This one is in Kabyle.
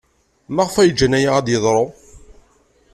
Maɣef ay ǧǧan aya ad d-yeḍru?